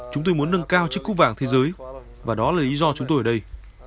chúng tôi muốn nâng cao chiếc cúp vàng thế giới và đó là lý do chúng tôi ở đây